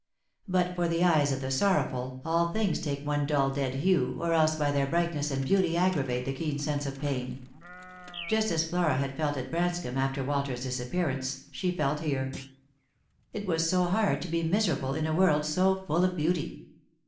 But for the eyes of the sorrowful, all things take one dull dead hue, or else by their brightness and beauty aggravate the keen sense of pain. Just as Flora had felt at Branscomb after Walter's disappear ance she felt here. It was so hard to be miserable in a world so full of beauty.